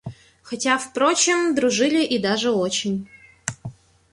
Хотя, впрочем, дружили, и даже очень.